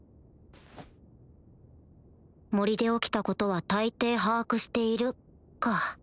森で起きたことは大抵把握しているか